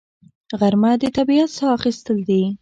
غرمه د طبیعت ساه اخیستل دي